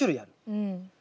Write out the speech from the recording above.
うん。